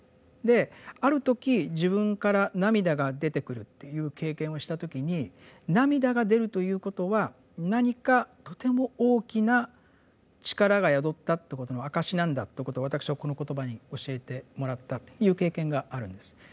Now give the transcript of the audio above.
である時自分から涙が出てくるという経験をした時に涙が出るということは何かとても大きな力が宿ったということの証しなんだということを私はこの言葉に教えてもらったという経験があるんです。